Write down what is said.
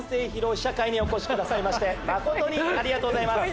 試写会にお越しくださいまして誠にありがとうございます。